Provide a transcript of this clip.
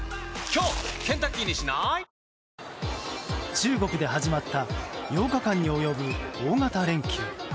中国で始まった８日間に及ぶ大型連休。